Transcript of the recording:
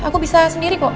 aku bisa sendiri kok